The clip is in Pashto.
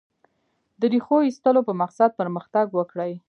د ریښو ایستلو په مقصد پرمختګ وکړي.